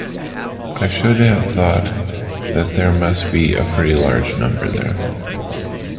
I should have thought that there must be a pretty large number there.